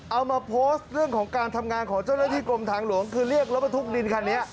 เอามาโพสต์เรื่องของการทำงานของเจ้าหน้าที่กรมทางหลวงคือเรียกรถบรรทุกดินคันนี้